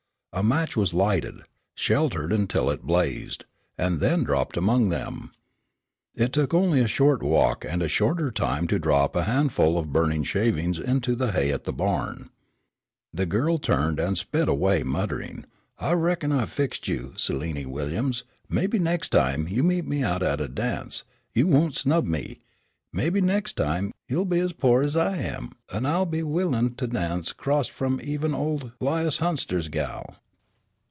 A match was lighted, sheltered, until it blazed, and then dropped among them. It took only a short walk and a shorter time to drop a handful of burning shavings into the hay at the barn. Then the girl turned and sped away, muttering: "I reckon I've fixed you, Seliny Williams, mebbe, next time you meet me out at a dance, you won't snub me; mebbe next time, you'll be ez pore ez I am, an'll be willin' to dance crost from even ole 'Lias Hunster's gal."